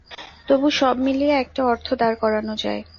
তবু সব মিলিয়ে একটা অর্থ দাঁড় করানো যায়।